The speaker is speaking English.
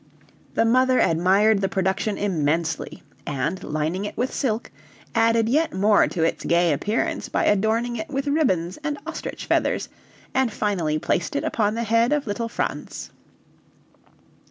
The mother admired the production immensely, and lining it with silk, added yet more to its gay appearance by adorning it with ribbons and ostrich feathers, and finally placed it upon the head of little Franz.